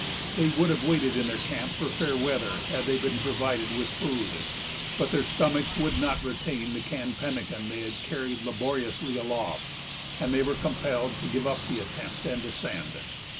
They would have waited in their camp for fair weather had they been provided with food, but their stomachs would not retain the canned pemmican they had carried laboriously aloft, and they were compelled to give up the attempt and descend.